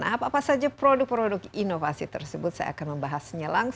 apa saja produk produk inovasi tersebut saya akan menunjukkan di video selanjutnya